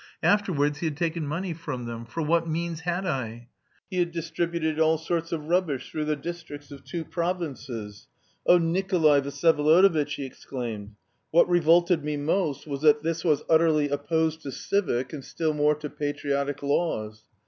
Afterwards he had taken money from them, 'for what means had I?' He had distributed all sorts of rubbish through the districts of two provinces. "Oh, Nikolay Vsyevolodovitch!" he exclaimed, "what revolted me most was that this was utterly opposed to civic, and still more to patriotic laws.